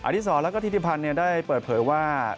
อธิษฐศาสตร์และทฤษภัณฑ์ได้เปิดเผยว่า